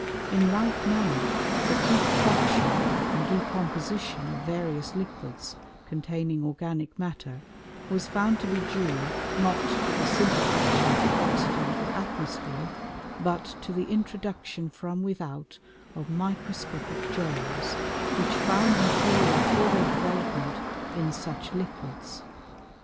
In like manner the putrefaction and decomposition of various liquids containing organic matter was found to be due, not to the simple action of the oxygen of the atmosphere, but to the introduction from without of microscopic germs which found material for their development in such liquids.